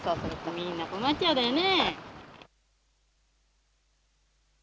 みんな困っちゃうだよね。